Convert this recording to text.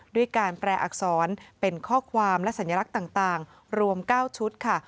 ด้วยการแปลอักษรเป็นข้อความและสัญลักษณ์ต่างรวม๙ชุดค่ะ